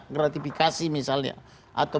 gratifikasi misalnya atau